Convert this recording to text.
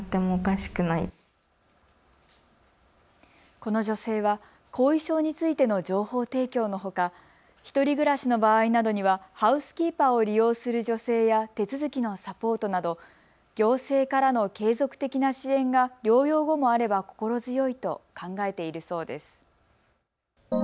この女性は後遺症についての情報提供のほか１人暮らしの場合などにはハウスキーパーを利用する助成や手続きのサポートなど行政からの継続的な支援が療養後もあれば心強いと考えているそうです。